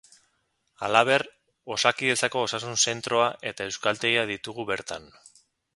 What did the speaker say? Halaber, Osakidetzako osasun zentroa eta euskaltegia ditugu bertan.